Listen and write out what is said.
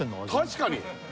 確かに！